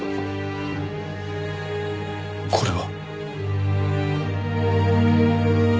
これは。